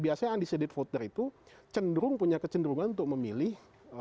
biasanya undecided voter itu cenderung punya kecenderungan untuk memilih